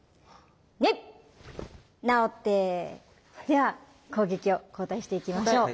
では攻撃を交代していきましょう。